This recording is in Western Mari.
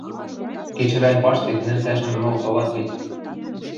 — Кечӹвӓл паштек нӹл цӓшӹн мол толат гӹнь